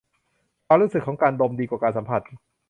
ความรู้สึกของการดมดีกว่าการสัมผัส